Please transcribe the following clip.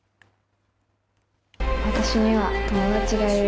私には友達がいる。